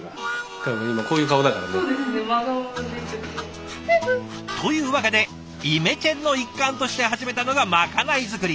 多分今こういう顔だからね。というわけでイメチェンの一環として始めたのがまかない作り。